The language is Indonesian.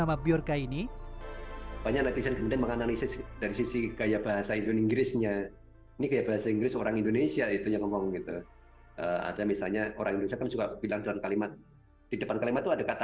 mengkritik menteri bumn erick thohir soal harga bbm